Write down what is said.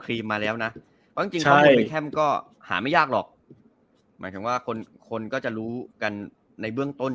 กรีมมาแล้วนะว่าจริงก็หาไม่ยากหรอกหมายความว่าคนคนก็จะรู้กันในเบื้องต้น